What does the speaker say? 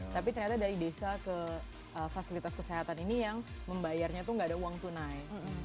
tapi ternyata dari desa ke fasilitas kesehatan ini yang membayarnya tuh gak ada uang tunai